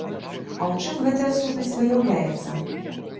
А ў чым гэтая сутнасць выяўляецца?